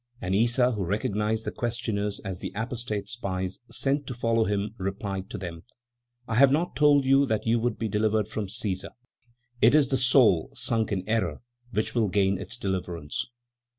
And Issa, who recognized the questioners as the apostate spies sent to follow him, replied to them: "I have not told you that you would be delivered from Cæsar; it is the soul sunk in error which will gain its deliverance.